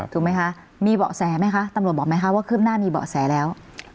ถูกมั้ยคะมีเบาะแสมั้ยคะตำรวจบอกมั้ยคะว่าเครื่องหน้ามีเบาะแสแล้ว